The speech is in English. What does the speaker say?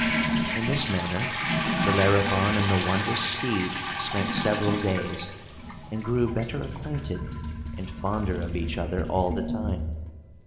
In this manner, Bellerophon and the wondrous steed spent several days, and grew better acquainted and fonder of each other all the time.